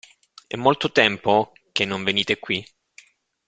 È molto tempo che non venite qui?